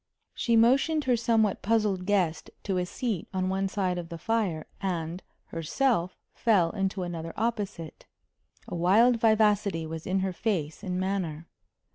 She motioned her somewhat puzzled guest to a seat on one side of the fire, and, herself, fell into another opposite. A wild vivacity was in her face and manner.